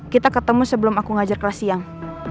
kita ketemu sebelum aku ngajar kelas siang